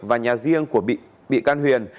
và nhà riêng của bị can huyền